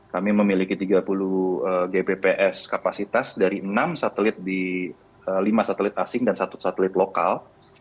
kami memiliki tiga puluh gpps kapasitas dari enam satelit di lima satelit asing dan satu satelit lokal